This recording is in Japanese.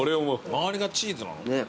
周りがチーズなの？ねぇ。